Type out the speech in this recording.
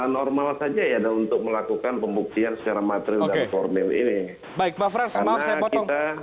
normal saja ya untuk melakukan pembuktian secara material dan formil ini